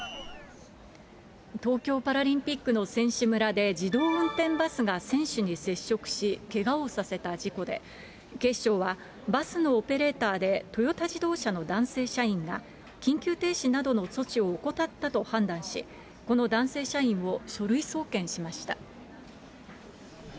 東京パラリンピックの選手村で自動運転バスが選手に接触し、けがをさせた事故で、警視庁はバスのオペレーターで、トヨタ自動車の男性社員が、緊急停止などの措置を怠ったと判断し、この男性社員を書類送検しました。